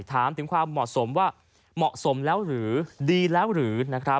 ถามถึงความเหมาะสมว่าเหมาะสมแล้วหรือดีแล้วหรือ